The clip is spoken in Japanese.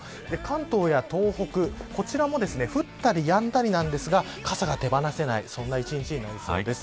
関東や東北、こちらも降ったりやんだりですが傘が手放せないそんな１日なりそうです。